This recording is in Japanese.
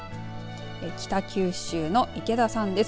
北九州の池田さんです。